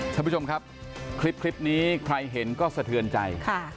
ท่านผู้ชมครับคลิปนี้ใครเห็นก็สะเทือนใจ